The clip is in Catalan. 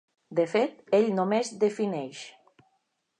De fet, ell només defineix.